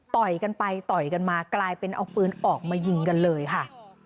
กันไปต่อยกันมากลายเป็นเอาปืนออกมายิงกันเลยค่ะ